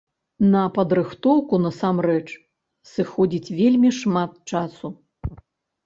На падрыхтоўку насамрэч сыходзіць вельмі шмат часу.